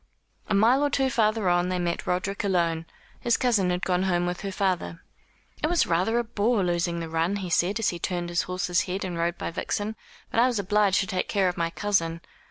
A mile or two farther on they met Roderick alone. His cousin had gone home with her father. "It was rather a bore losing the run," he said, as he turned his horse's head and rode by Vixen, "but I was obliged to take care of my cousin."